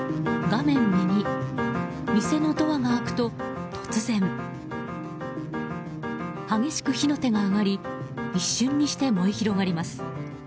画面右、店のドアが開くと突然、激しく火の手が上がり一瞬にして燃え広がります。